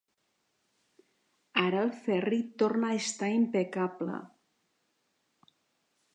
Ara el Ferri torna a estar impecable.